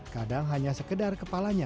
kadang hanya sekedar kepalanya